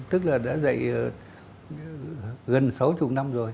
tức là đã dạy gần sáu mươi năm rồi